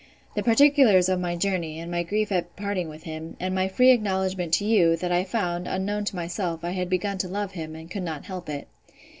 The particulars of my journey, and my grief at parting with him; and my free acknowledgment to you, that I found, unknown to myself, I had begun to love him, and could not help it.